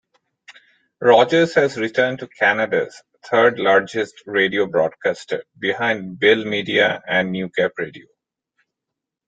Rogers has returned to Canada's third-largest radio broadcaster behind Bell Media and Newcap Radio.